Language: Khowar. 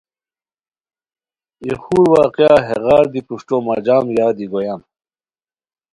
ای خور واقعہ ہیغار دی پروشٹیو مہ جم یادی گویان